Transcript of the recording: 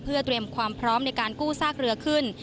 เพื่อเตรียมความพร้อมในการกู้ซากเรือขึ้น